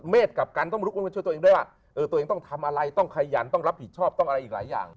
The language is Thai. กลับกันต้องลุกขึ้นมาช่วยตัวเองด้วยว่าตัวเองต้องทำอะไรต้องขยันต้องรับผิดชอบต้องอะไรอีกหลายอย่าง